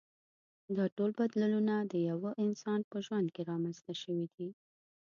دا ټول بدلونونه د یوه انسان په ژوند کې رامنځته شوي دي.